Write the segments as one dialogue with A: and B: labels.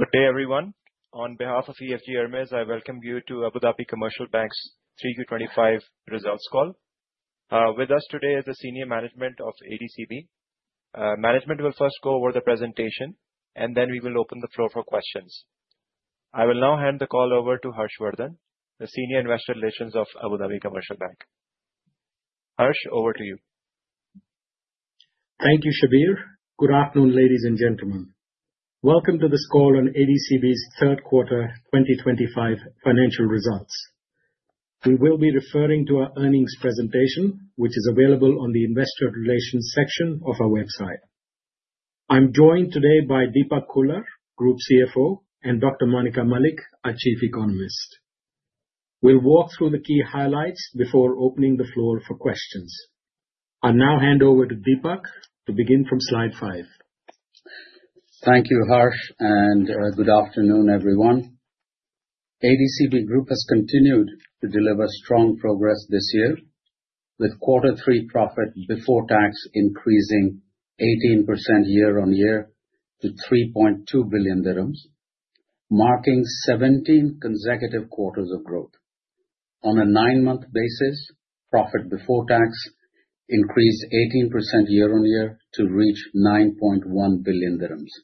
A: Good day, everyone. On behalf of EFG Hermes, I welcome you to Abu Dhabi Commercial Bank's 3Q25 results call. With us today is the senior management of ADCB. Management will first go over the presentation, and then we will open the floor for questions. I will now hand the call over to Harsh Wardhan, the Senior Investor Relations of Abu Dhabi Commercial Bank. Harsh, over to you.
B: Thank you, Shabbir. Good afternoon, ladies and gentlemen. Welcome to this call on ADCB's third quarter 2025 financial results. We will be referring to our earnings presentation, which is available on the Investor Relations section of our website. I'm joined today by Deepak Khullar, Group CFO, and Dr. Monica Malik, our Chief Economist. We'll walk through the key highlights before opening the floor for questions. I'll now hand over to Deepak to begin from Slide 5.
C: Thank you, Harsh, and good afternoon, everyone. ADCB Group has continued to deliver strong progress this year, with quarter three profit before tax increasing 18% year-on-year to 3.2 billion dirhams, marking 17 consecutive quarters of growth. On a nine-month basis, profit before tax increased 18% year-on-year to reach 9.1 billion dirhams.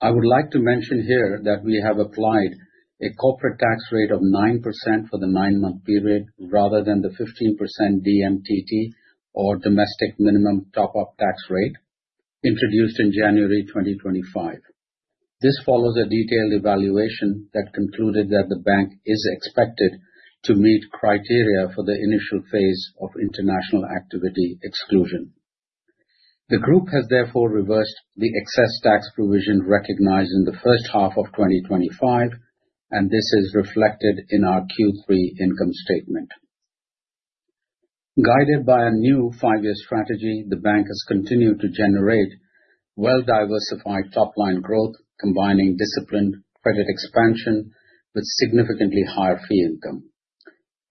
C: I would like to mention here that we have applied a corporate tax rate of 9% for the nine-month period rather than the 15% DMTT, or Domestic Minimum Top-Up Tax rate, introduced in January 2025. This follows a detailed evaluation that concluded that the bank is expected to meet criteria for the initial phase of international activity exclusion. The group has therefore reversed the excess tax provision recognized in the first half of 2025, and this is reflected in our Q3 income statement. Guided by a new five-year strategy, the bank has continued to generate well-diversified top-line growth, combining disciplined credit expansion with significantly higher fee income.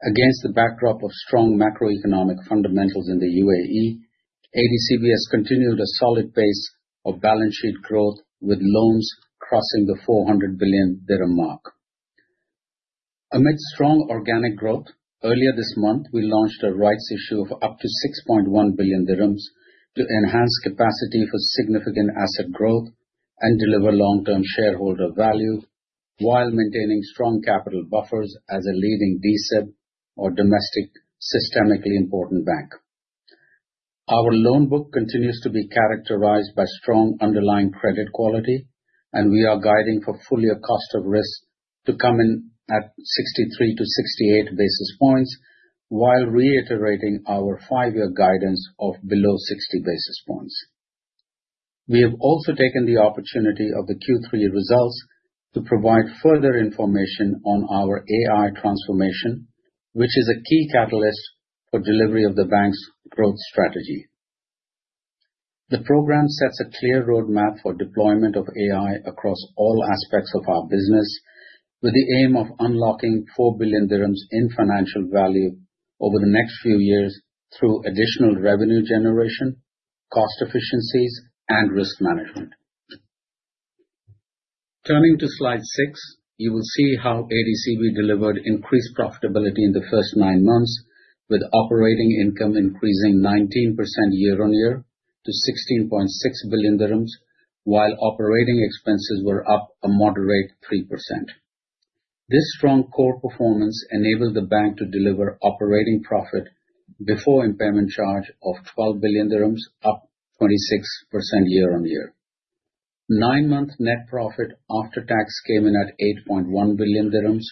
C: Against the backdrop of strong macroeconomic fundamentals in the UAE, ADCB has continued a solid pace of balance sheet growth, with loans crossing the 400 billion dirham mark. Amid strong organic growth, earlier this month, we launched a rights issue of up to 6.1 billion dirhams to enhance capacity for significant asset growth and deliver long-term shareholder value while maintaining strong capital buffers as a leading DSIB, or Domestic Systemically Important Bank. Our loan book continues to be characterized by strong underlying credit quality, and we are guiding for full year cost of risk to come in at 63 bps to 68 bps, while reiterating our five-year guidance of below 60 bps. We have also taken the opportunity of the Q3 results to provide further information on our AI transformation, which is a key catalyst for delivery of the bank's growth strategy. The program sets a clear roadmap for deployment of AI across all aspects of our business, with the aim of unlocking 4 billion dirhams in financial value over the next few years through additional revenue generation, cost efficiencies, and risk management. Turning to Slide 6, you will see how ADCB delivered increased profitability in the first nine months, with operating income increasing 19% year-on-year to 16.6 billion dirhams, while operating expenses were up a moderate 3%. This strong core performance enabled the bank to deliver operating profit before impairment charge of 12 billion dirhams, up 26% year-on-year. Nine-month net profit after tax came in at 8.1 billion dirhams,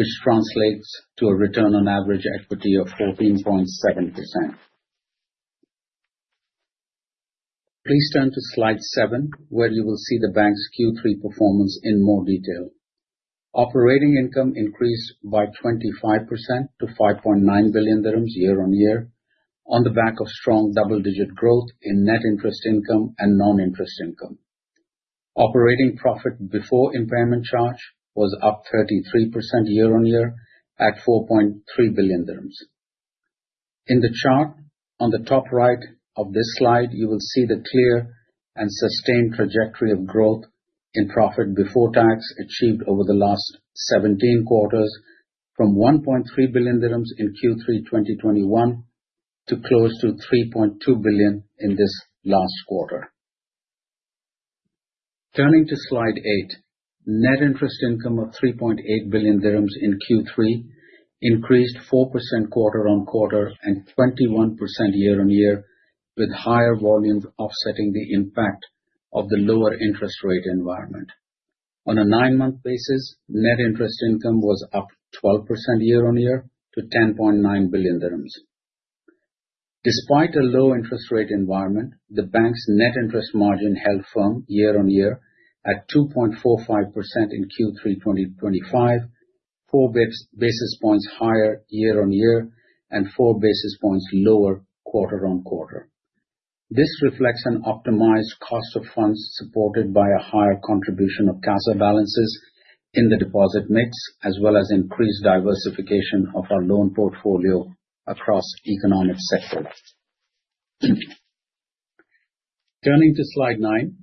C: which translates to a return on average equity of 14.7%. Please turn to Slide 7, where you will see the bank's Q3 performance in more detail. Operating income increased by 25% to 5.9 billion dirhams year-on-year on the back of strong double-digit growth in net interest income and non-interest income. Operating profit before impairment charge was up 33% year-on-year at 4.3 billion dirhams. In the chart on the top right of this slide, you will see the clear and sustained trajectory of growth in profit before tax achieved over the last 17 quarters, from 1.3 billion dirhams in Q3 2021 to close to 3.2 billion in this last quarter. Turning to Slide 8, net interest income of 3.8 billion dirhams in Q3 increased 4% quarter on quarter and 21% year-on-year, with higher volumes offsetting the impact of the lower interest rate environment. On a nine-month basis, net interest income was up 12% year-on-year to 10.9 billion dirhams. Despite a low interest rate environment, the bank's net interest margin held firm year-on-year at 2.45% in Q3 2025, 4 bps higher year-on-year and 4 bps lower quarter on quarter. This reflects an optimized cost of funds supported by a higher contribution of CASA balances in the deposit mix, as well as increased diversification of our loan portfolio across economic sectors. Turning to Slide 9,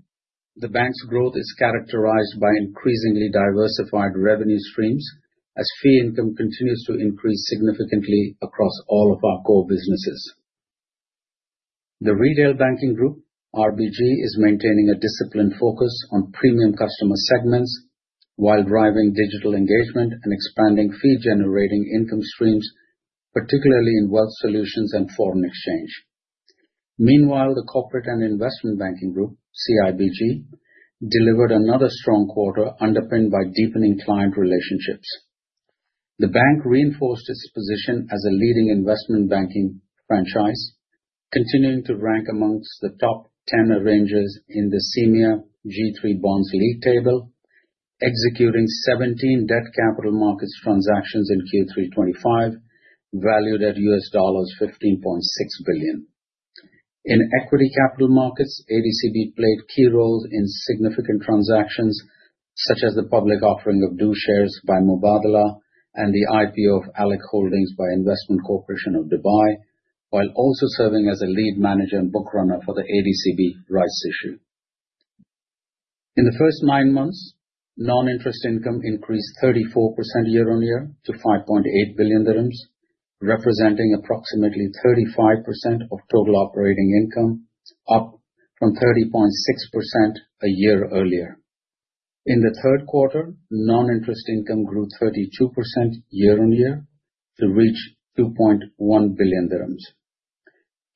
C: the bank's growth is characterized by increasingly diversified revenue streams as fee income continues to increase significantly across all of our core businesses. The retail banking group, RBG, is maintaining a disciplined focus on premium customer segments while driving digital engagement and expanding fee-generating income streams, particularly in wealth solutions and foreign exchange. Meanwhile, the corporate and investment banking group, CIBG, delivered another strong quarter underpinned by deepening client relationships. The bank reinforced its position as a leading investment banking franchise, continuing to rank among the top 10 arrangers in the CEEMEA G3 Bonds League table, executing 17 debt capital markets transactions in Q3 2025, valued at $15.6 billion. In equity capital markets, ADCB played key roles in significant transactions such as the public offering of du shares by Mubadala and the IPO of ALEC Holdings by Investment Corporation of Dubai, while also serving as a lead manager and book runner for the ADCB rights issue. In the first nine months, non-interest income increased 34% year-on-year to 5.8 billion dirhams, representing approximately 35% of total operating income, up from 30.6% a year earlier. In the third quarter, non-interest income grew 32% year-on-year to reach 2.1 billion dirhams.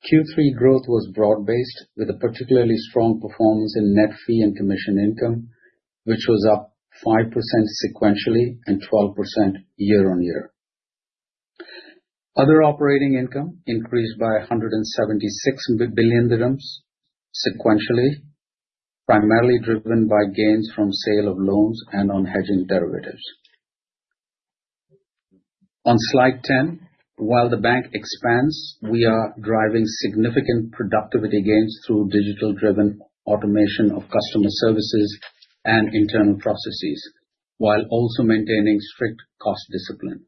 C: Q3 growth was broad-based, with a particularly strong performance in net fee and commission income, which was up 5% sequentially and 12% year-on-year. Other operating income increased by 176 million dirhams sequentially, primarily driven by gains from sale of loans and on hedging derivatives. On Slide 10, while the bank expands, we are driving significant productivity gains through digital-driven automation of customer services and internal processes, while also maintaining strict cost discipline.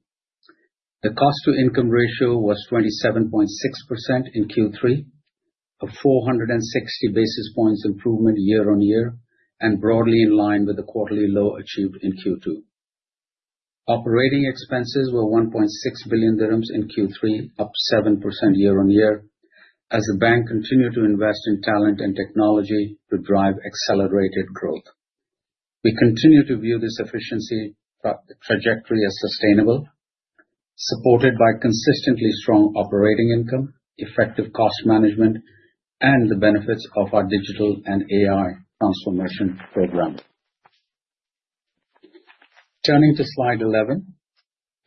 C: The cost-to-income ratio was 27.6% in Q3, a 460 bps improvement year-on-year, and broadly in line with the quarterly low achieved in Q2. Operating expenses were 1.6 billion dirhams in Q3, up 7% year-on-year, as the bank continued to invest in talent and technology to drive accelerated growth. We continue to view this efficiency trajectory as sustainable, supported by consistently strong operating income, effective cost management, and the benefits of our digital and AI transformation program. Turning to Slide 11,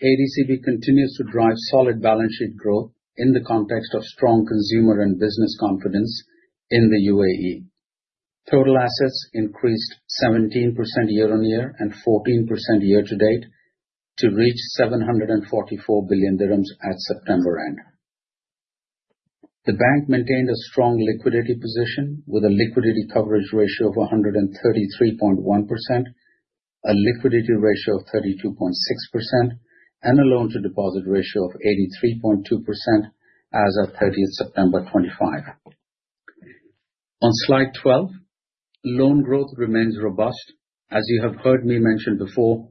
C: ADCB continues to drive solid balance sheet growth in the context of strong consumer and business confidence in the UAE. Total assets increased 17% year-on-year and 14% year to date to reach 744 billion dirhams at September end. The bank maintained a strong liquidity position with a liquidity coverage ratio of 133.1%, a liquidity ratio of 32.6%, and a loan-to-deposit ratio of 83.2% as of 30th September 2025. On Slide 12, loan growth remains robust. As you have heard me mention before,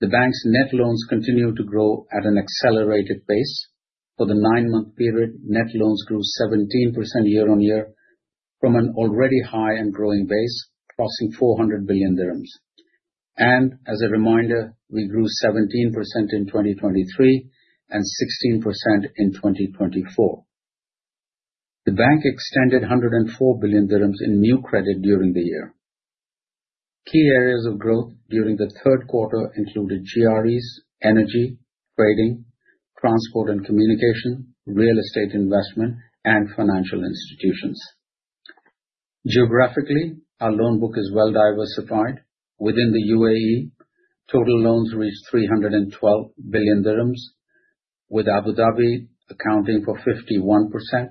C: the bank's net loans continue to grow at an accelerated pace. For the nine-month period, net loans grew 17% year-on-year from an already high and growing base, crossing 400 billion dirhams, and as a reminder, we grew 17% in 2023 and 16% in 2024. The bank extended 104 billion dirhams in new credit during the year. Key areas of growth during the third quarter included GREs, energy, trading, transport and communication, real estate investment, and financial institutions. Geographically, our loan book is well-diversified. Within the UAE, total loans reached 312 billion dirhams, with Abu Dhabi accounting for 51%,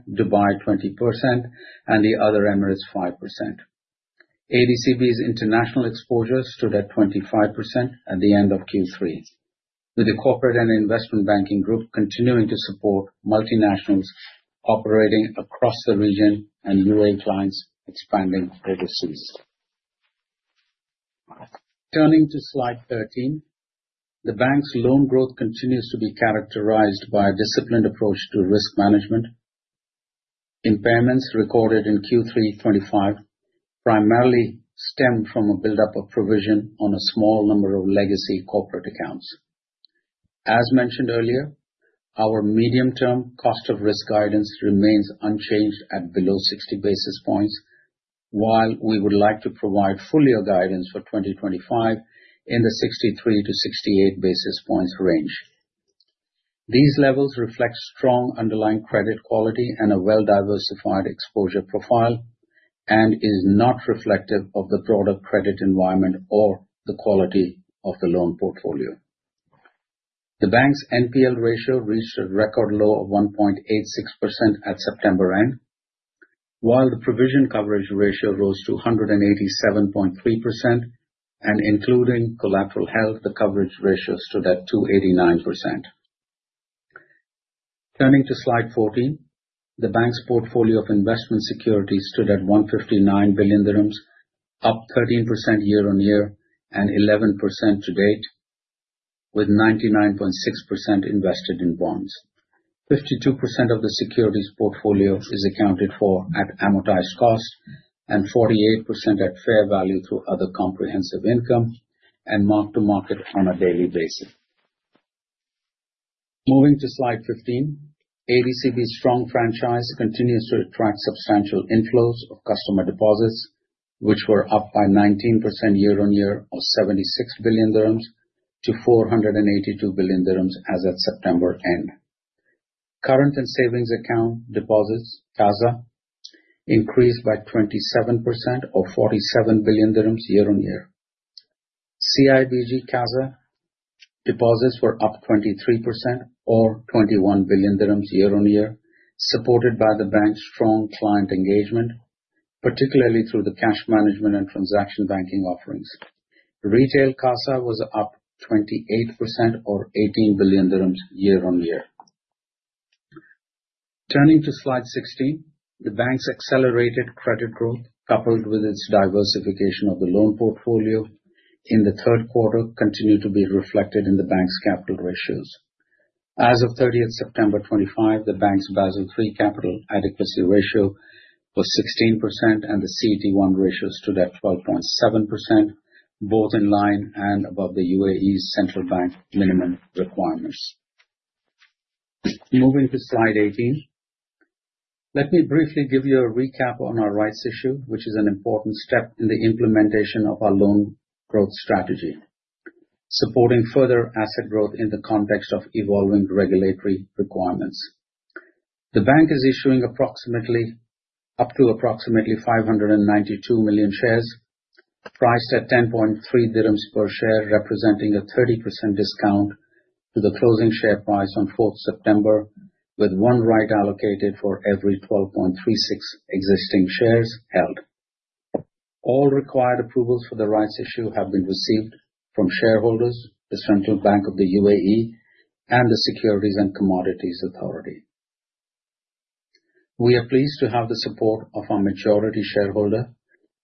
C: Dubai 20%, and the other emirates 5%. ADCB's international exposure stood at 25% at the end of Q3, with the corporate and investment banking group continuing to support multinationals operating across the region and UAE clients expanding overseas. Turning to Slide 13, the bank's loan growth continues to be characterized by a disciplined approach to risk management. Impairments recorded in Q3 2025 primarily stemmed from a buildup of provision on a small number of legacy corporate accounts. As mentioned earlier, our medium-term cost of risk guidance remains unchanged at below 60 bps, while we would like to provide full year guidance for 2025 in the 63 bps-68 bps range. These levels reflect strong underlying credit quality and a well-diversified exposure profile and are not reflective of the broader credit environment or the quality of the loan portfolio. The bank's NPL ratio reached a record low of 1.86% at September end, while the provision coverage ratio rose to 187.3%, and including collateral health, the coverage ratio stood at 289%. Turning to Slide 14, the bank's portfolio of investment securities stood at 159 billion dirhams, up 13% year-on-year and 11% to date, with 99.6% invested in bonds. 52% of the securities portfolio is accounted for at amortized cost and 48% at fair value through other comprehensive income and marked to market on a daily basis. Moving to Slide 15, ADCB's strong franchise continues to attract substantial inflows of customer deposits, which were up by 19% year-on-year of 76 billion dirhams to 482 billion dirhams as at September end. Current and savings account deposits, CASA, increased by 27% or 47 billion dirhams year-on-year. CIBG CASA deposits were up 23% or 21 billion dirhams year-on-year, supported by the bank's strong client engagement, particularly through the cash management and transaction banking offerings. Retail CASA was up 28% or AED 18 billion year-on-year. Turning to Slide 16, the bank's accelerated credit growth, coupled with its diversification of the loan portfolio in the third quarter, continued to be reflected in the bank's capital ratios. As of 30th September 2025, the bank's Basel III capital adequacy ratio was 16%, and the CET1 ratio stood at 12.7%, both in line and above the UAE Central Bank minimum requirements. Moving to Slide 18, let me briefly give you a recap on our rights issue, which is an important step in the implementation of our loan growth strategy, supporting further asset growth in the context of evolving regulatory requirements. The bank is issuing up to approximately 592 million shares, priced at 10.3 dirhams per share, representing a 30% discount to the closing share price on 4 September, with one right allocated for every 12.36 existing shares held. All required approvals for the rights issue have been received from shareholders, the Central Bank of the UAE, and the Securities and Commodities Authority. We are pleased to have the support of our majority shareholder,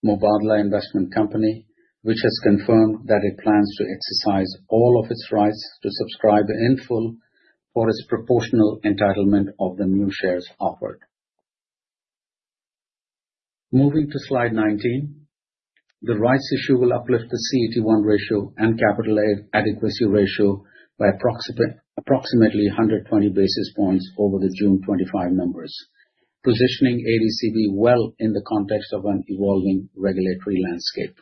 C: Mubadala Investment Company, which has confirmed that it plans to exercise all of its rights to subscribe in full for its proportional entitlement of the new shares offered. Moving to Slide 19, the rights issue will uplift the CET1 ratio and capital adequacy ratio by approximately 120 bps over the June 25 numbers, positioning ADCB well in the context of an evolving regulatory landscape.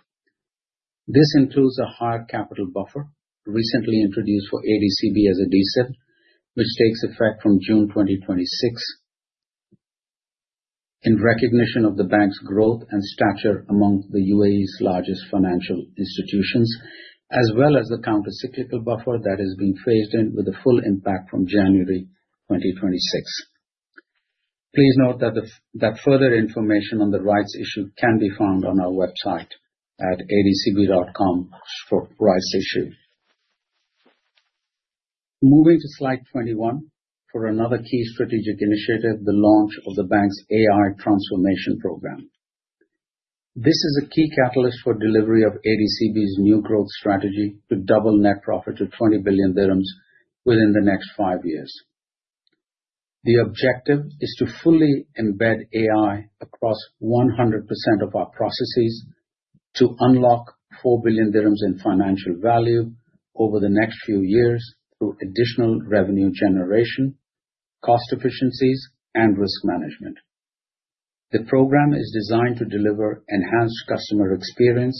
C: This includes a higher capital buffer recently introduced for ADCB as a DSIB, which takes effect from June 2026, in recognition of the bank's growth and stature among the UAE's largest financial institutions, as well as the countercyclical buffer that is being phased in with a full impact from January 2026. Please note that further information on the rights issue can be found on our website at adcb.com/rightsissue. Moving to Slide 21 for another key strategic initiative, the launch of the bank's AI transformation program. This is a key catalyst for delivery of ADCB's new growth strategy to double net profit to 20 billion dirhams within the next five years. The objective is to fully embed AI across 100% of our processes to unlock 4 billion dirhams in financial value over the next few years through additional revenue generation, cost efficiencies, and risk management. The program is designed to deliver enhanced customer experience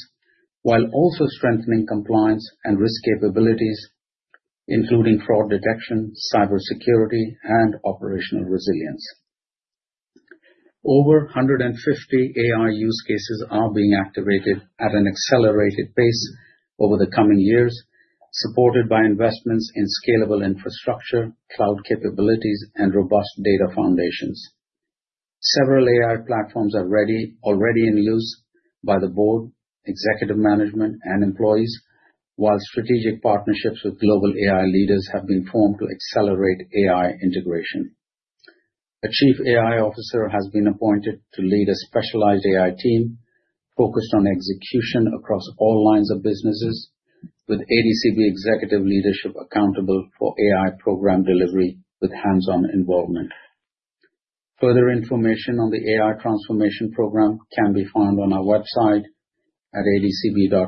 C: while also strengthening compliance and risk capabilities, including fraud detection, cybersecurity, and operational resilience. Over 150 AI use cases are being activated at an accelerated pace over the coming years, supported by investments in scalable infrastructure, cloud capabilities, and robust data foundations. Several AI platforms are already in use by the board, executive management, and employees, while strategic partnerships with global AI leaders have been formed to accelerate AI integration. A Chief AI Officer has been appointed to lead a specialized AI team focused on execution across all lines of businesses, with ADCB executive leadership accountable for AI program delivery with hands-on involvement. Further information on the AI transformation program can be found on our website at adcb.com/ai.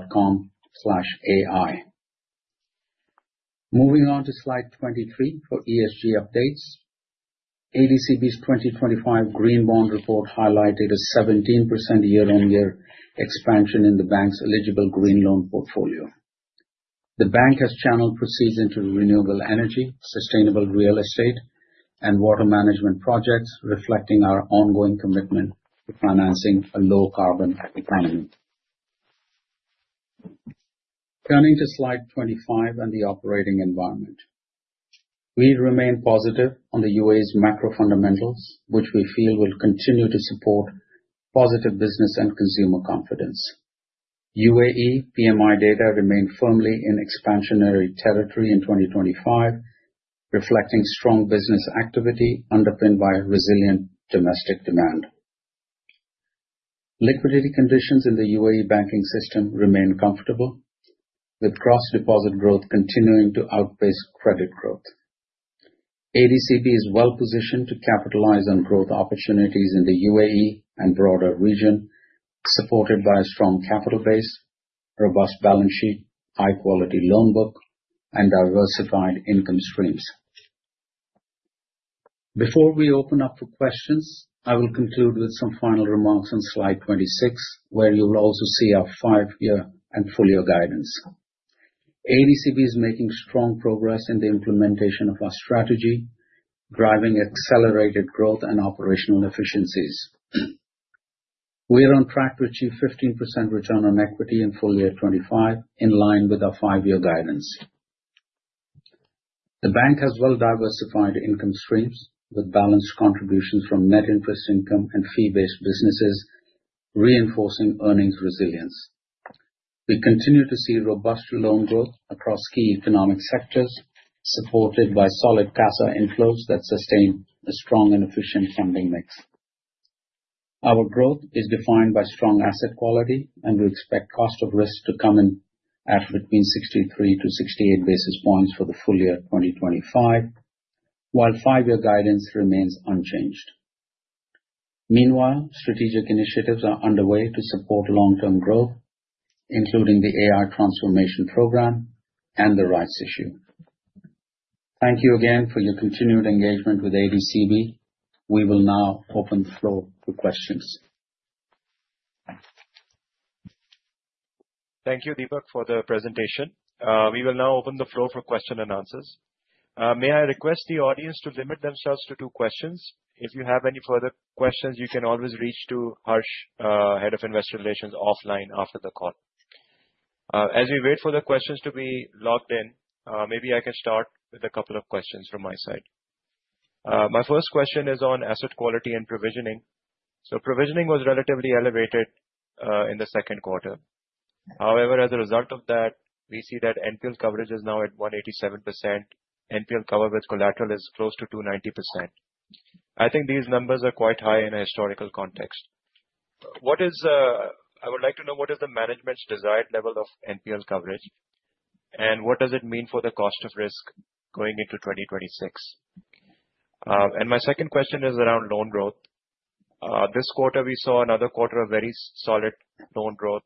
C: Moving on to Slide 23 for ESG updates. ADCB's 2025 Green Bond Report highlighted a 17% year-on-year expansion in the bank's eligible green loan portfolio. The bank has channeled proceeds into renewable energy, sustainable real estate, and water management projects, reflecting our ongoing commitment to financing a low-carbon economy. Turning to Slide 25 and the operating environment, we remain positive on the UAE's macro fundamentals, which we feel will continue to support positive business and consumer confidence. UAE PMI data remain firmly in expansionary territory in 2025, reflecting strong business activity underpinned by resilient domestic demand. Liquidity conditions in the UAE banking system remain comfortable, with gross deposit growth continuing to outpace credit growth. ADCB is well-positioned to capitalize on growth opportunities in the UAE and broader region, supported by a strong capital base, robust balance sheet, high-quality loan book, and diversified income streams. Before we open up for questions, I will conclude with some final remarks on Slide 26, where you will also see our five-year and full-year guidance. ADCB is making strong progress in the implementation of our strategy, driving accelerated growth and operational efficiencies. We are on track to achieve 15% return on equity in full year 2025, in line with our five-year guidance. The bank has well-diversified income streams with balanced contributions from net interest income and fee-based businesses, reinforcing earnings resilience. We continue to see robust loan growth across key economic sectors, supported by solid CASA inflows that sustain a strong and efficient funding mix. Our growth is defined by strong asset quality, and we expect cost of risk to come in at between 63 bps to 68 bps for the full year 2025, while five-year guidance remains unchanged. Meanwhile, strategic initiatives are underway to support long-term growth, including the AI Transformation Program and the rights issue. Thank you again for your continued engagement with ADCB. We will now open the floor for questions.
A: Thank you, Deepak, for the presentation. We will now open the floor for questions and answers. May I request the audience to limit themselves to two questions? If you have any further questions, you can always reach to Harsh, Head of Investor Relations, offline after the call. As we wait for the questions to be logged in, maybe I can start with a couple of questions from my side. My first question is on asset quality and provisioning. So provisioning was relatively elevated in the second quarter. However, as a result of that, we see that NPL coverage is now at 187%. NPL cover with collateral is close to 290%. I think these numbers are quite high in a historical context. I would like to know what is the management's desired level of NPL coverage, and what does it mean for the cost of risk going into 2026? And my second question is around loan growth. This quarter, we saw another quarter of very solid loan growth,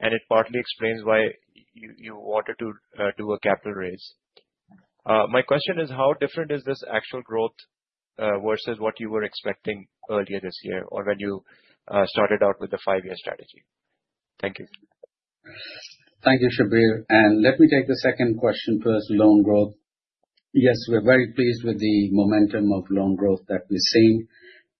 A: and it partly explains why you wanted to do a capital raise. My question is, how different is this actual growth versus what you were expecting earlier this year or when you started out with the five-year strategy? Thank you.
C: Thank you, Shabbir. And let me take the second question first, loan growth. Yes, we're very pleased with the momentum of loan growth that we're seeing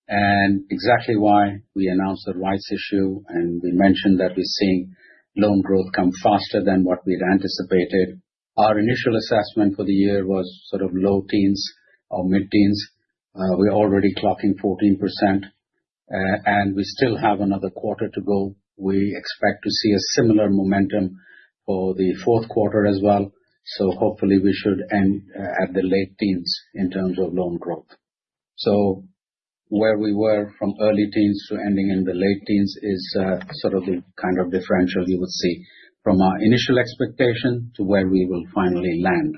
C: and exactly why we announced the rights issue. And we mentioned that we're seeing loan growth come faster than what we had anticipated. Our initial assessment for the year was sort of low teens or mid-teens. We're already clocking 14%, and we still have another quarter to go. We expect to see a similar momentum for the fourth quarter as well. So hopefully, we should end at the late teens in terms of loan growth. So where we were from early teens to ending in the late teens is sort of the kind of differential you would see from our initial expectation to where we will finally land.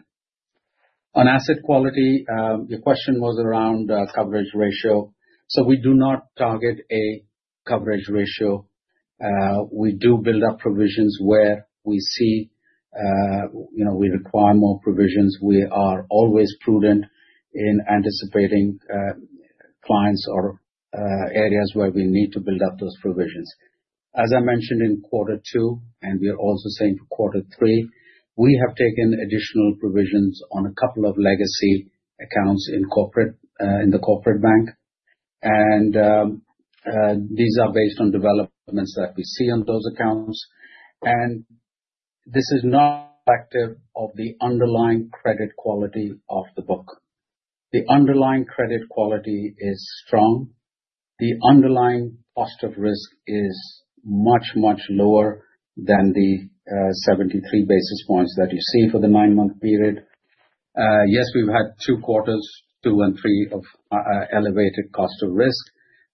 C: On asset quality, your question was around coverage ratio. So we do not target a coverage ratio. We do build up provisions where we see we require more provisions. We are always prudent in anticipating clients or areas where we need to build up those provisions. As I mentioned in quarter two, and we are also saying for quarter three, we have taken additional provisions on a couple of legacy accounts in the corporate bank. And these are based on developments that we see on those accounts. And this is not a factor of the underlying credit quality of the book. The underlying credit quality is strong. The underlying cost of risk is much, much lower than the 73 bps that you see for the nine-month period. Yes, we've had two quarters, two and three, of elevated cost of risk,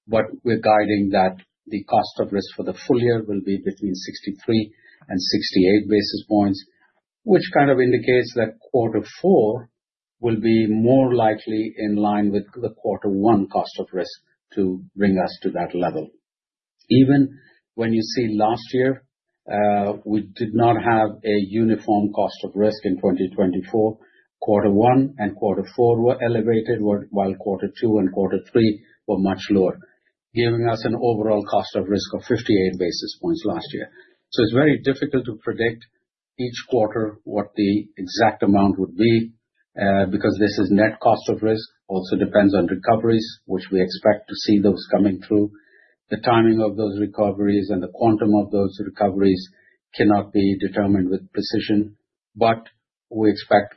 C: but we're guiding that the cost of risk for the full year will be between 63 bps and 68 bps, which kind of indicates that quarter four will be more likely in line with the quarter one cost of risk to bring us to that level. Even when you see last year, we did not have a uniform cost of risk in 2024. Quarter one and quarter four were elevated, while quarter two and quarter three were much lower, giving us an overall cost of risk of 58 bps last year. So it's very difficult to predict each quarter what the exact amount would be because this is net cost of risk. It also depends on recoveries, which we expect to see those coming through. The timing of those recoveries and the quantum of those recoveries cannot be determined with precision, but we expect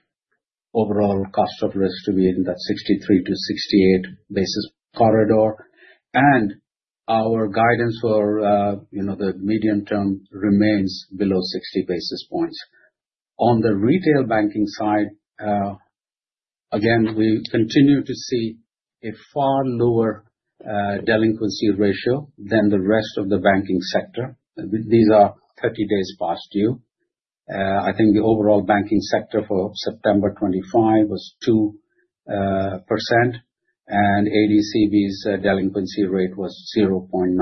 C: overall cost of risk to be in that 63 bps to 68 bps corridor. And our guidance for the medium term remains below 60 bps. On the retail banking side, again, we continue to see a far lower delinquency ratio than the rest of the banking sector. These are 30 days past due. I think the overall banking sector for September 25 was 2%, and ADCB's delinquency rate was 0.9%.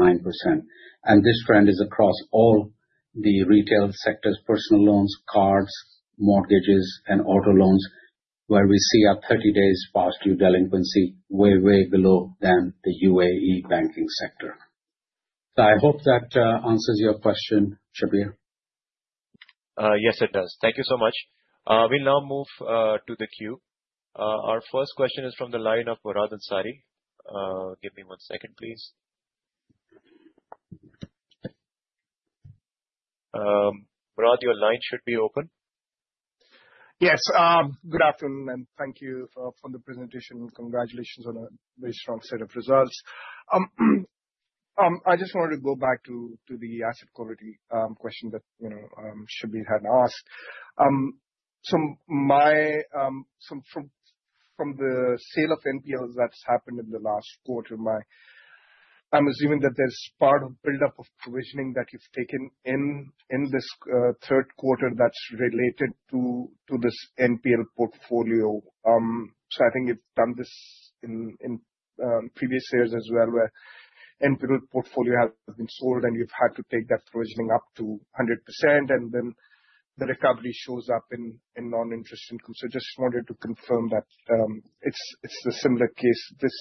C: And this trend is across all the retail sectors: personal loans, cards, mortgages, and auto loans, where we see a 30 days past due delinquency way, way below than the UAE banking sector. So I hope that answers your question, Shabbir.
A: Yes, it does. Thank you so much. We'll now move to the queue. Our first question is from the line of Murad Ansari. Give me one second, please. Murad, your line should be open. Yes. Good afternoon, and thank you for the presentation. Congratulations on a very strong set of results. I just wanted to go back to the asset quality question that Shabbir had asked. So from the sale of NPLs that's happened in the last quarter, I'm assuming that there's part of buildup of provisioning that you've taken in this third quarter that's related to this NPL portfolio. So I think you've done this in previous years as well, where NPL portfolio has been sold, and you've had to take that provisioning up to 100%, and then the recovery shows up in non-interest income. So I just wanted to confirm that it's a similar case this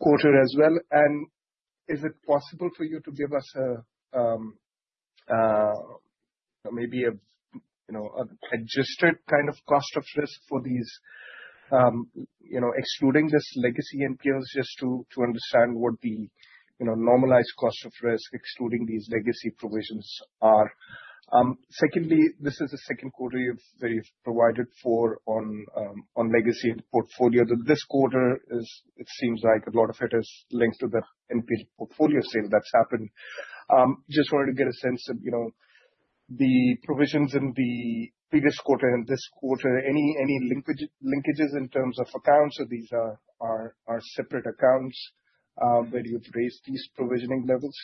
A: quarter as well. And is it possible for you to give us maybe an adjusted kind of cost of risk for these, excluding this legacy NPLs, just to understand what the normalized cost of risk, excluding these legacy provisions are? Secondly, this is the second quarter you've provided for on legacy portfolio. This quarter, it seems like a lot of it is linked to the NPL portfolio sale that's happened. Just wanted to get a sense of the provisions in the previous quarter and this quarter, any linkages in terms of accounts? So these are separate accounts where you've raised these provisioning levels?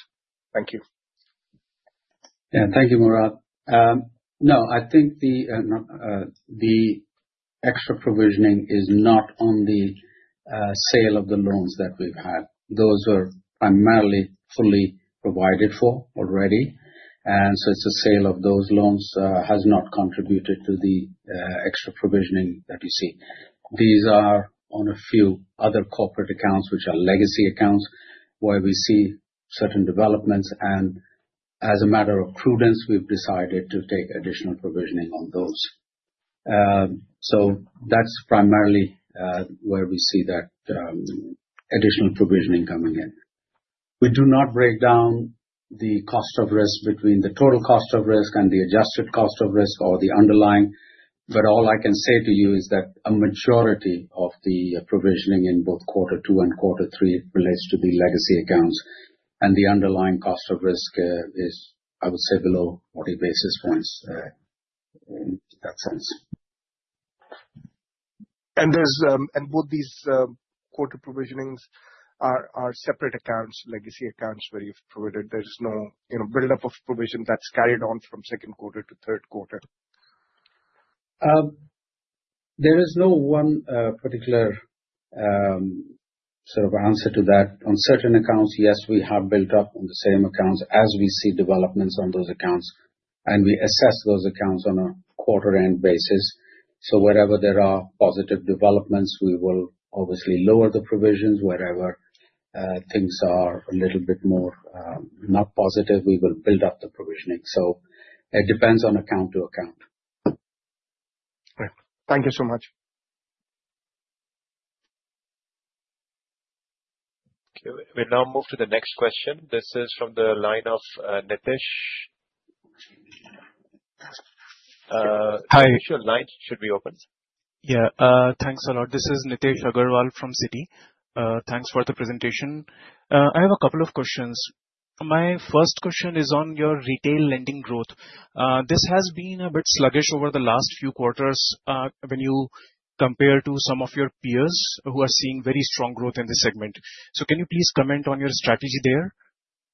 A: Thank you.
C: Yeah. Thank you, Murad. No, I think the extra provisioning is not on the sale of the loans that we've had. Those were primarily fully provided for already. And so the sale of those loans has not contributed to the extra provisioning that you see. These are on a few other corporate accounts, which are legacy accounts, where we see certain developments. And as a matter of prudence, we've decided to take additional provisioning on those. So that's primarily where we see that additional provisioning coming in. We do not break down the cost of risk between the total cost of risk and the adjusted cost of risk or the underlying, but all I can say to you is that a majority of the provisioning in both quarter two and quarter three relates to the legacy accounts, and the underlying cost of risk is, I would say, below 40 bps in that sense, and both these quarter provisionings are separate accounts, legacy accounts, where you've provided there is no buildup of provision that's carried on from second quarter to third quarter? There is no one particular sort of answer to that. On certain accounts, yes, we have built up on the same accounts as we see developments on those accounts, and we assess those accounts on a quarter-end basis, so wherever there are positive developments, we will obviously lower the provisions. Wherever things are a little bit more not positive, we will build up the provisioning. So it depends on account to account. Thank you so much.
A: We'll now move to the next question. This is from the line of Nitish. Hi. Nitish, your line should be open.
D: Yeah. Thanks a lot. This is Nitish Agarwal from Citi. Thanks for the presentation. I have a couple of questions. My first question is on your retail lending growth. This has been a bit sluggish over the last few quarters when you compare to some of your peers who are seeing very strong growth in this segment. So can you please comment on your strategy there?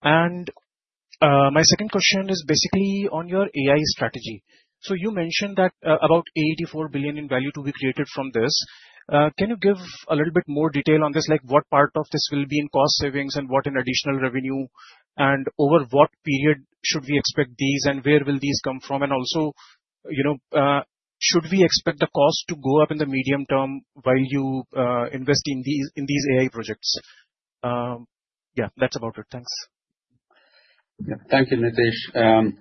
D: And my second question is basically on your AI strategy. So you mentioned that about 84 billion in value to be created from this. Can you give a little bit more detail on this? What part of this will be in cost savings and what in additional revenue? And over what period should we expect these and where will these come from? And also, should we expect the cost to go up in the medium term while you invest in these AI projects? Yeah, that's about it. Thanks.
C: Thank you, Nitish.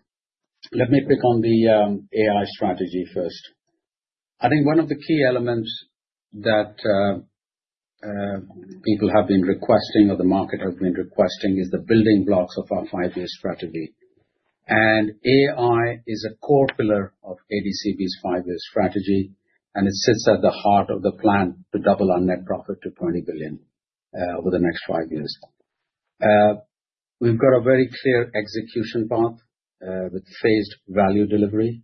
C: Let me pick on the AI strategy first. I think one of the key elements that people have been requesting or the market has been requesting is the building blocks of our five-year strategy. And AI is a core pillar of ADCB's five-year strategy, and it sits at the heart of the plan to double our net profit to 20 billion over the next five years. We've got a very clear execution path with phased value delivery,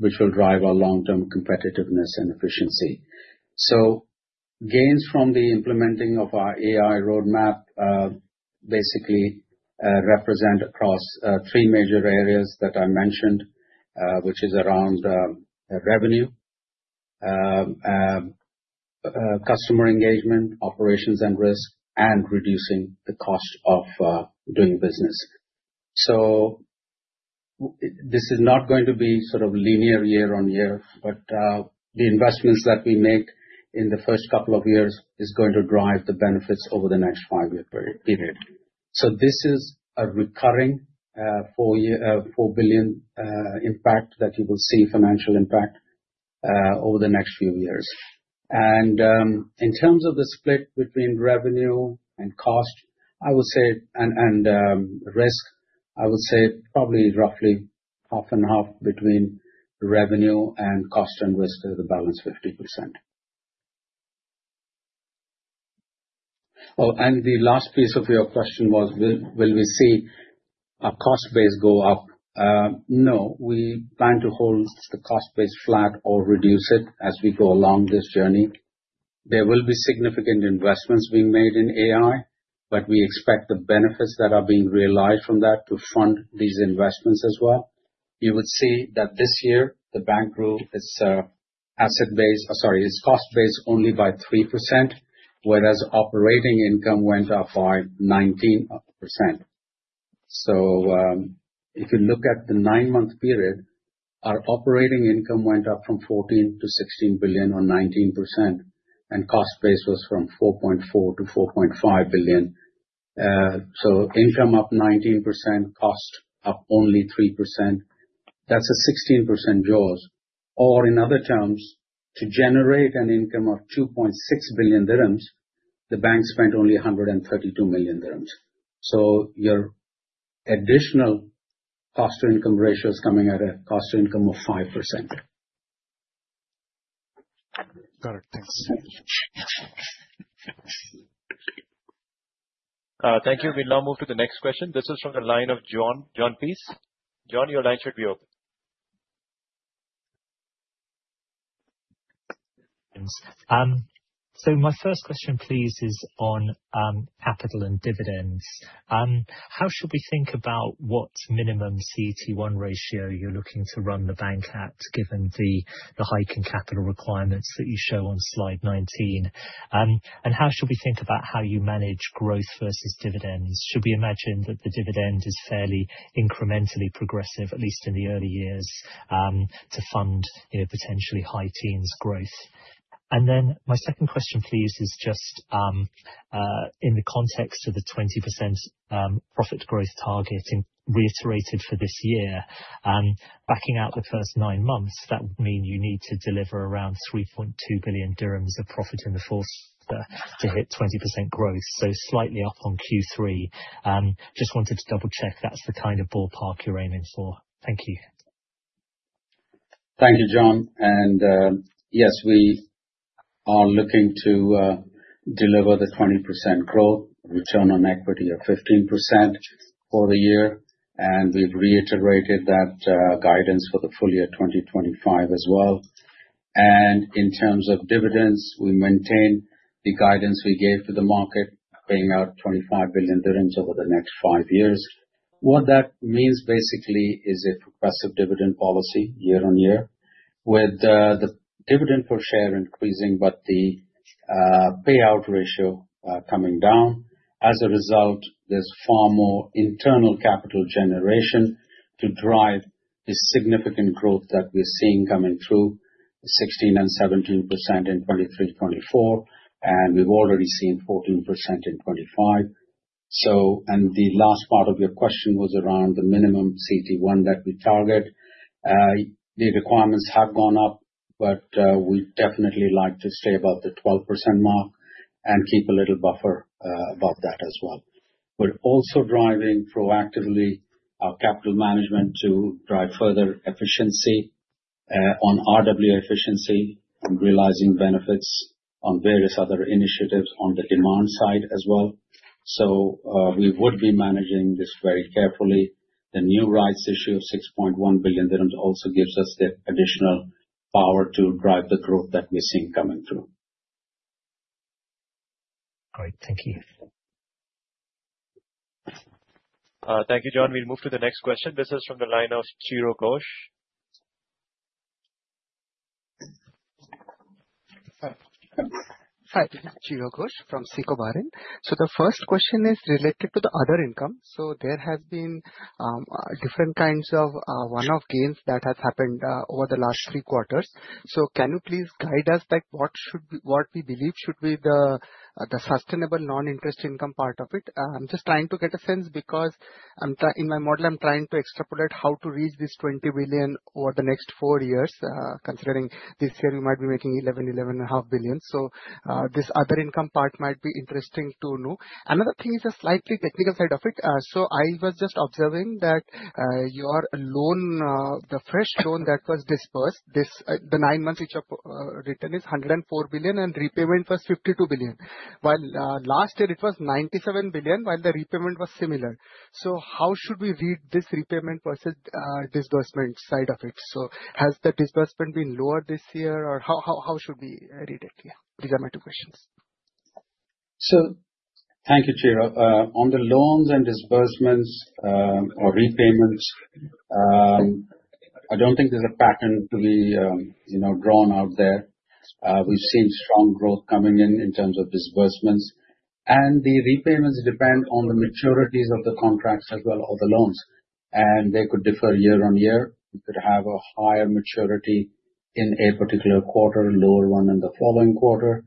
C: which will drive our long-term competitiveness and efficiency. Gains from the implementing of our AI roadmap basically represent across three major areas that I mentioned, which is around revenue, customer engagement, operations and risk, and reducing the cost of doing business. This is not going to be sort of linear year-on-year, but the investments that we make in the first couple of years are going to drive the benefits over the next five-year period. This is a recurring 4 billion impact that you will see, financial impact, over the next few years. In terms of the split between revenue and cost, I would say, and risk, I would say probably roughly half and half between revenue and cost and risk is a balance of 50%. The last piece of your question was, will we see a cost base go up? No, we plan to hold the cost base flat or reduce it as we go along this journey. There will be significant investments being made in AI, but we expect the benefits that are being realized from that to fund these investments as well. You would see that this year, the bank grew its asset base (sorry, its cost base) only by 3%, whereas operating income went up by 19%. So if you look at the nine-month period, our operating income went up from 14 billion to 16 billion or 19%, and cost base was from 4.4 billion to 4.5 billion. So income up 19%, cost up only 3%. That's a 16% jaws. Or in other terms, to generate an income of 2.6 billion dirhams, the bank spent only 132 million dirhams. So your additional cost-to-income ratio is coming at a cost-to-income of 5%.
D: Got it. Thanks.
A: Thank you. We'll now move to the next question. This is from the line of John. John, please. John, your line should be open. So my first question, please, is on capital and dividends. How should we think about what minimum CET1 ratio you're looking to run the bank at, given the heightened capital requirements that you show on Slide 19? And how should we think about how you manage growth versus dividends? Should we imagine that the dividend is fairly incrementally progressive, at least in the early years, to fund potentially high teens' growth? And then my second question, please, is just in the context of the 20% profit growth target reiterated for this year, backing out the first nine months, that would mean you need to deliver around 3.2 billion dirhams of profit in the fourth quarter to hit 20% growth, so slightly up on Q3. Just wanted to double-check that's the kind of ballpark you're aiming for. Thank you.
C: Thank you, John. And yes, we are looking to deliver the 20% growth, return on equity of 15% for the year. And we've reiterated that guidance for the full year 2025 as well. And in terms of dividends, we maintain the guidance we gave to the market, paying out 25 billion dirhams over the next five years. What that means basically is a progressive dividend policy year-on-year, with the dividend per share increasing, but the payout ratio coming down. As a result, there's far more internal capital generation to drive the significant growth that we're seeing coming through, 16% and 17% in 2023, 2024, and we've already seen 14% in 2025. And the last part of your question was around the minimum CET1 that we target. The requirements have gone up, but we'd definitely like to stay above the 12% mark and keep a little buffer above that as well. We're also driving proactively our capital management to drive further efficiency on RWA efficiency and realizing benefits on various other initiatives on the demand side as well. So we would be managing this very carefully. The new rights issue of 6.1 billion dirhams also gives us the additional power to drive the growth that we're seeing coming through. Great. Thank you.
A: Thank you, John. We'll move to the next question. This is from the line of Chiro Ghosh.
E: Hi. Chiro Ghosh from SICO Bahrain. So the first question is related to the other income. So there have been different kinds of one-off gains that have happened over the last three quarters. So can you please guide us on what we believe should be the sustainable non-interest income part of it? I'm just trying to get a sense because in my model, I'm trying to extrapolate how to reach this 20 billion over the next four years, considering this year we might be making 11 to 11.5 billion. So this other income part might be interesting to know. Another thing is a slightly technical side of it. So I was just observing that your loans, the fresh loans that were disbursed, the nine-month total is 104 billion, and repayment was 52 billion. While last year, it was 97 billion, while the repayment was similar. So how should we read this repayment versus disbursement side of it? So has the disbursement been lower this year, or how should we read it? These are my two questions.
C: So thank you, Chiro. On the loans and disbursements or repayments, I don't think there's a pattern to be drawn out there. We've seen strong growth coming in in terms of disbursements. And the repayments depend on the maturities of the contracts as well as the loans. And they could differ year-on-year. You could have a higher maturity in a particular quarter, lower one in the following quarter.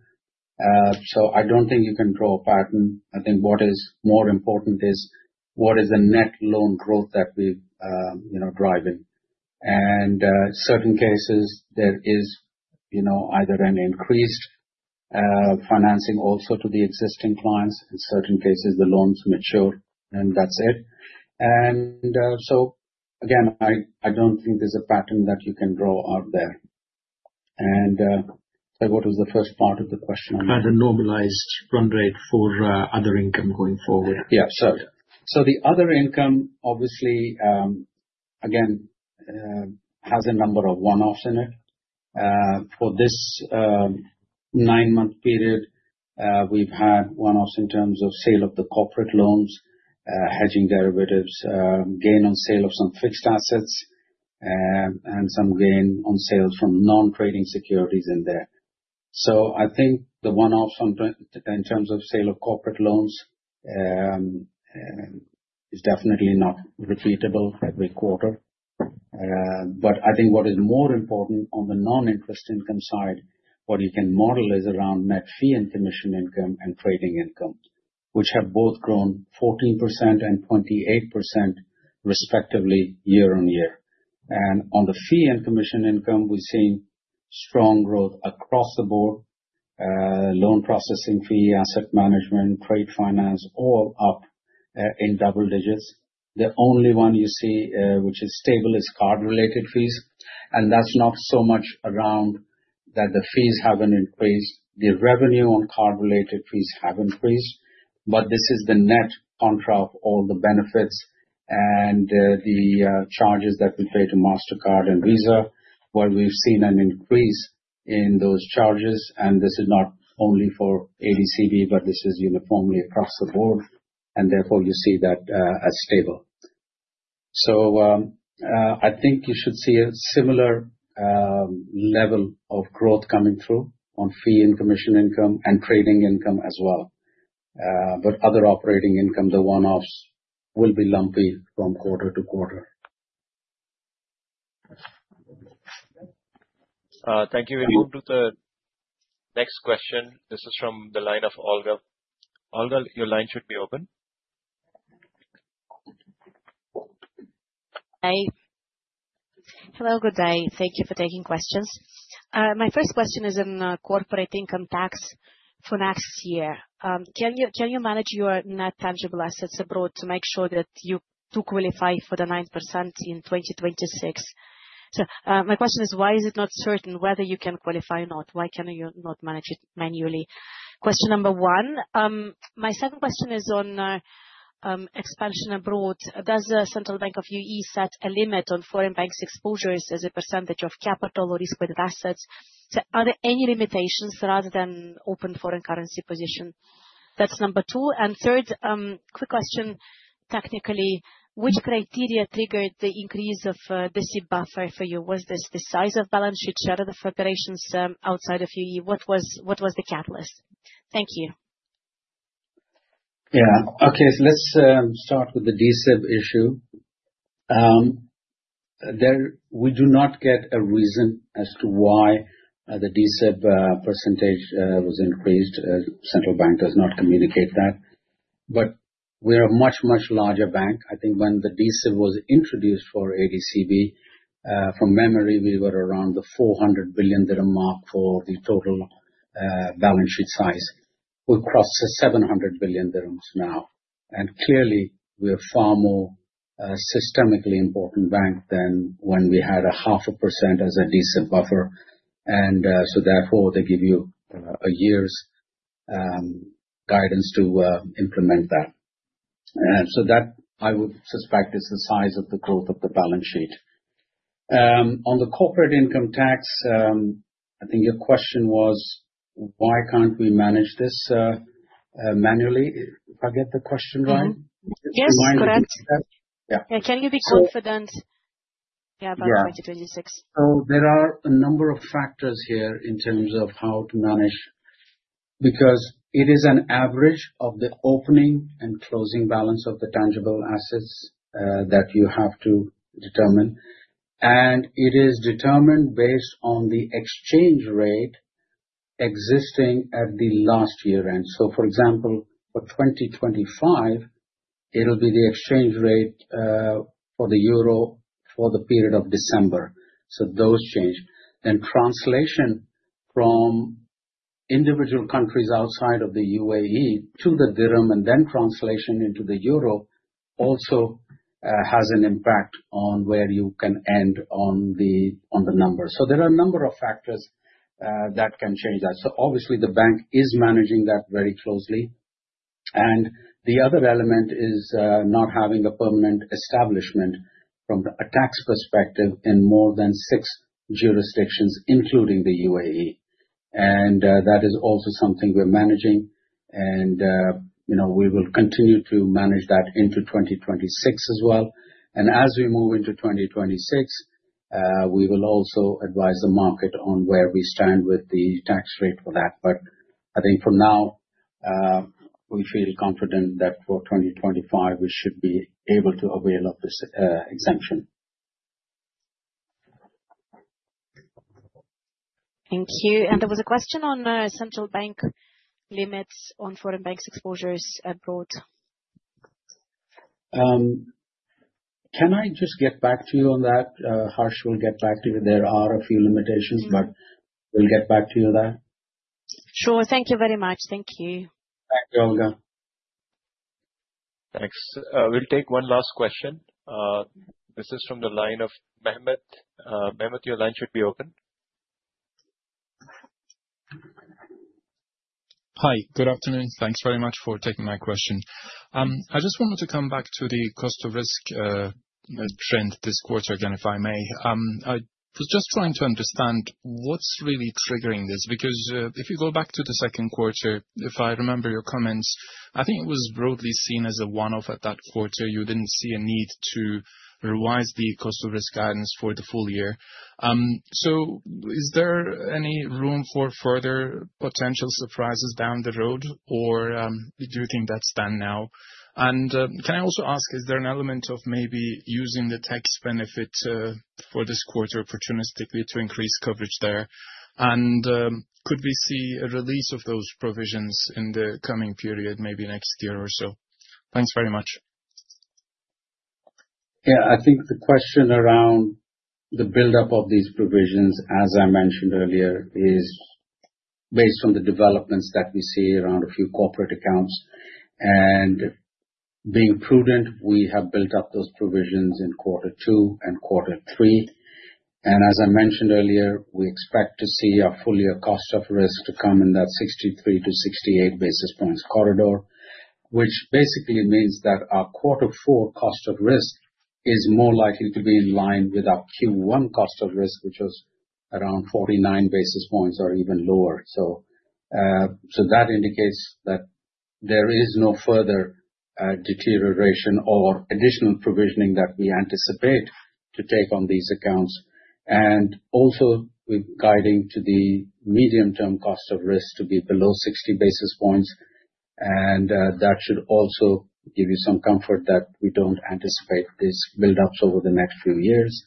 C: So I don't think you can draw a pattern. I think what is more important is what is the net loan growth that we're driving. And in certain cases, there is either an increased financing also to the existing clients. In certain cases, the loans mature, and that's it. And so again, I don't think there's a pattern that you can draw out there. And so what was the first part of the question?
E: And a normalized run rate for other income going forward.
C: Yeah. So the other income, obviously, again, has a number of one-offs in it. For this nine-month period, we've had one-offs in terms of sale of the corporate loans, hedging derivatives, gain on sale of some fixed assets, and some gain on sales from non-trading securities in there. So I think the one-offs in terms of sale of corporate loans is definitely not repeatable every quarter. But I think what is more important on the non-interest income side, what you can model is around net fee and commission income and trading income, which have both grown 14% and 28% respectively year-on-year. And on the fee and commission income, we've seen strong growth across the board: loan processing fee, asset management, trade finance, all up in double digits. The only one you see which is stable is card-related fees. And that's not so much around that the fees haven't increased. The revenue on card-related fees have increased, but this is the net contra of all the benefits and the charges that we pay to Mastercard and Visa, where we've seen an increase in those charges. And this is not only for ADCB, but this is uniformly across the board. And therefore, you see that as stable. So I think you should see a similar level of growth coming through on fee and commission income and trading income as well. But other operating income, the one-offs, will be lumpy from quarter to quarter.
A: Thank you. We'll move to the next question. This is from the line of Olga. Olga, your line should be open. Hi. Hello. Good day. Thank you for taking questions. My first question is on corporate income tax for next year. Can you manage your net tangible assets abroad to make sure that you do qualify for the 9% in 2026? So my question is, why is it not certain whether you can qualify or not? Why can you not manage it manually? Question number one. My second question is on expansion abroad. Does the Central Bank of the UAE set a limit on foreign banks' exposures as a percentage of capital or risk-weighted assets? Are there any limitations rather than open foreign currency position? That's number two. And third, quick question, technically, which criteria triggered the increase of the DSIB buffer for you? Was this the size of balance sheet share of the federations outside of UAE? What was the catalyst? Thank you.
C: Yeah. Okay. So let's start with the DSIB issue. We do not get a reason as to why the DSIB percentage was increased. The central bank does not communicate that. But we're a much, much larger bank. I think when the DSIB was introduced for ADCB, from memory, we were around the 400 billion dirham mark for the total balance sheet size. We've crossed the 700 billion dirhams now. And clearly, we're a far more systemically important bank than when we had a 0.5% as a DSIB buffer. And so therefore, they give you a year's guidance to implement that. And so that, I would suspect, is the size of the growth of the balance sheet. On the corporate income tax, I think your question was, why can't we manage this manually? If I get the question right. Yes, correct. Yeah. Can you be confident? Yeah, about 2026. There are a number of factors here in terms of how to manage because it is an average of the opening and closing balance of the tangible assets that you have to determine. It is determined based on the exchange rate existing at the last year end. For example, for 2025, it will be the exchange rate for the euro for the period of December. Those change. Then translation from individual countries outside of the UAE to the dirham and then translation into the euro also has an impact on where you can end on the number. There are a number of factors that can change that. Obviously, the bank is managing that very closely. The other element is not having a permanent establishment from a tax perspective in more than six jurisdictions, including the UAE. That is also something we're managing. And we will continue to manage that into 2026 as well. And as we move into 2026, we will also advise the market on where we stand with the tax rate for that. But I think for now, we feel confident that for 2025, we should be able to avail of this exemption. Thank you. And there was a question on central bank limits on foreign banks' exposures abroad. Can I just get back to you on that? Harsh will get back to you. There are a few limitations, but we'll get back to you on that. Sure. Thank you very much. Thank you. Thank you, Olga.
A: Thanks. We'll take one last question. This is from the line of Mehmet. Mehmet, your line should be open. Hi. Good afternoon. Thanks very much for taking my question. I just wanted to come back to the cost of risk trend this quarter, again, if I may. I was just trying to understand what's really triggering this because if you go back to the second quarter, if I remember your comments, I think it was broadly seen as a one-off at that quarter. You didn't see a need to revise the cost of risk guidance for the full year. So is there any room for further potential surprises down the road, or do you think that's done now? And can I also ask, is there an element of maybe using the tax benefit for this quarter opportunistically to increase coverage there? And could we see a release of those provisions in the coming period, maybe next year or so? Thanks very much.
C: Yeah. I think the question around the buildup of these provisions, as I mentioned earlier, is based on the developments that we see around a few corporate accounts. And being prudent, we have built up those provisions in quarter two and quarter three. And as I mentioned earlier, we expect to see a full year cost of risk to come in that 63 bps to 68 bps corridor, which basically means that our quarter four cost of risk is more likely to be in line with our Q1 cost of risk, which was around 49 bps or even lower. So that indicates that there is no further deterioration or additional provisioning that we anticipate to take on these accounts. And also, we're guiding to the medium-term cost of risk to be below 60 bps. That should also give you some comfort that we don't anticipate these buildups over the next few years,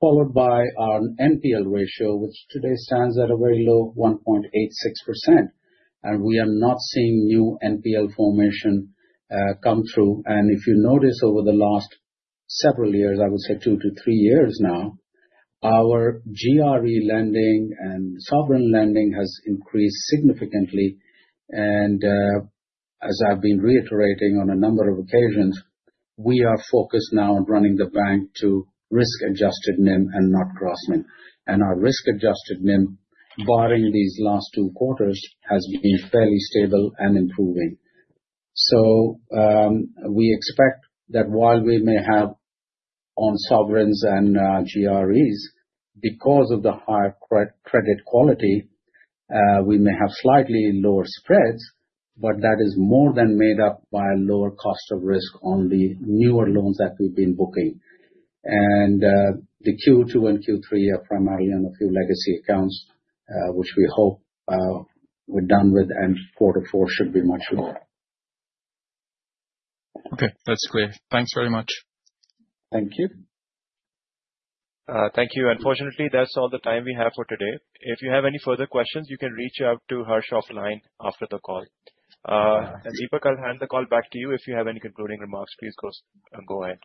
C: followed by our NPL ratio, which today stands at a very low 1.86%. We are not seeing new NPL formation come through. If you notice over the last several years, I would say two to three years now, our GRE lending and sovereign lending has increased significantly. As I've been reiterating on a number of occasions, we are focused now on running the bank to risk-adjusted NIM and not gross NIM. Our risk-adjusted NIM, barring these last two quarters, has been fairly stable and improving. So we expect that while we may have on sovereigns and GREs, because of the higher credit quality, we may have slightly lower spreads, but that is more than made up by a lower cost of risk on the newer loans that we've been booking, and the Q2 and Q3 are primarily on a few legacy accounts, which we hope we're done with, and quarter four should be much lower. Okay. That's clear. Thanks very much. Thank you.
A: Thank you. Unfortunately, that's all the time we have for today. If you have any further questions, you can reach out to Harsh offline after the call, and Deepak, I'll hand the call back to you. If you have any concluding remarks, please go ahead.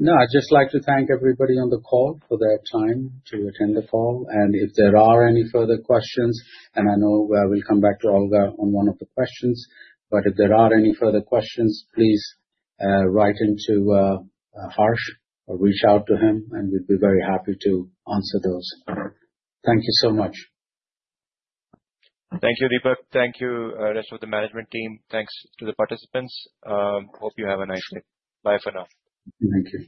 C: No, I'd just like to thank everybody on the call for their time to attend the call. If there are any further questions, and I know I will come back to Olga on one of the questions, but if there are any further questions, please write into Harsh or reach out to him, and we'd be very happy to answer those. Thank you so much.
A: Thank you, Deepak. Thank you, rest of the management team. Thanks to the participants. Hope you have a nice day. Bye for now.
C: Thank you.